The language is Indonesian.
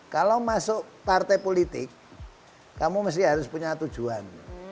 kalau masuk partai politik kamu mesti harus punya tujuan